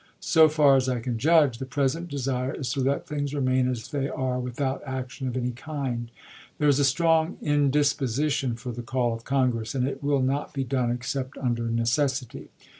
So far as I can judge, the present desire is to let things remain as they are, without action of any kind. There is a strong indisposition for the call of Congress, and it will not be done except under necessity.